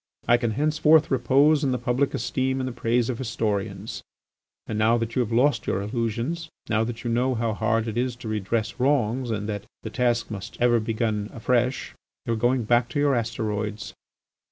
I can henceforth repose in the public esteem and the praise of historians.' And now that you have lost your illusions, now that you know how hard it is to redress wrongs, and that the task must ever be begun afresh, you are going back to your asteroids.